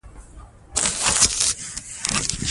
دوی به اور بل کړی وي.